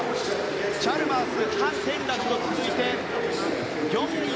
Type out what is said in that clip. チャルマースハン・テンラクと続いて。